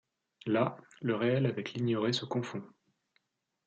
Là, le réel avec l'ignoré se confond